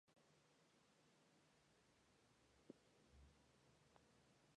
A pesar de todo lo dicho anteriormente, Royo-Torres "et al.